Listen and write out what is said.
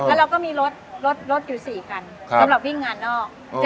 แล้วเราก็มีรถรถรถรถอยู่สี่กันครับสำหรับวิ่งงานนอกอืม